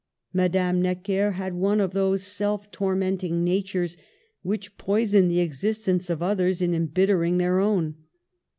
Madame Necker had one of those self tormenting natures which poison the existence of others in embittering their own.